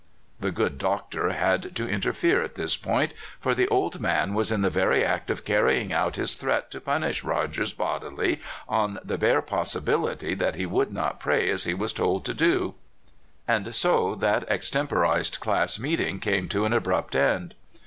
" The good Doctor had to interfere at this point, for the old man was in the verv act of carrvin<i: out his threat to punish Rogers bodily, on the bare possibility that he would not pray as he was told 15 226 CALIFORNIA SKETCHES. to do. And so that extemporized class meeting came to an abrupt end.